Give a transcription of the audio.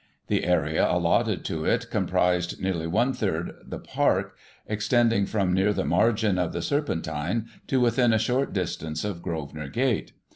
The area allotted to it comprised nearly one third of the Park, extending from near the margin of the Serpentine to within a short distance of Grosvenor Gate.